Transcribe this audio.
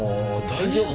大丈夫？